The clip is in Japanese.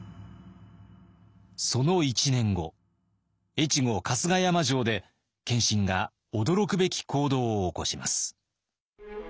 越後春日山城で謙信が驚くべき行動を起こします。